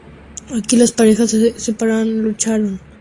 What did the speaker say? Aquí las parejas se separaron y lucharon cada uno por su permanencia.